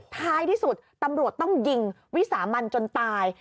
ท้ายที่สุดตำรวจต้องยิงวิสามันจนตาย